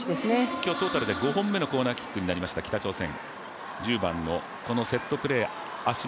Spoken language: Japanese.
今日トータルで５本目のコーナーキックになりました、北朝鮮。